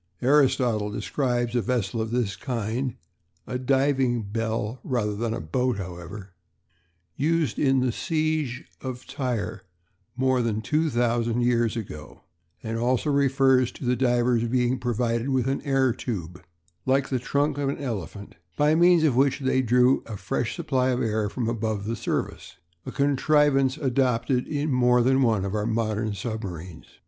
Aristotle describes a vessel of this kind (a diving bell rather than a boat, however), used in the siege of Tyre more than two thousand years ago; and also refers to the divers being provided with an air tube, "like the trunk of an elephant," by means of which they drew a fresh supply of air from above the surface a contrivance adopted in more than one of our modern submarines.